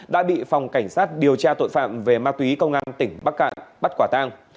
đã bị phòng cảnh sát điều tra tội phạm về ma túy công an tỉnh bắc cạn bắt quả tang